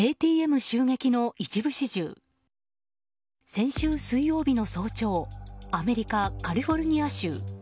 先週水曜日の早朝アメリカ・カリフォルニア州。